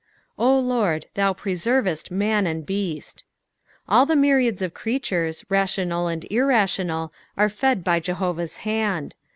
"0 Lord, thau pretenett man and h^ait." All the myriads of creatures, lattoDal and irrational, are fed b; Jehovah's hand.